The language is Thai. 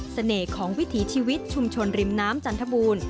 ของวิถีชีวิตชุมชนริมน้ำจันทบูรณ์